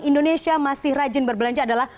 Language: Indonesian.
indonesia masih rajin berbelanja adalah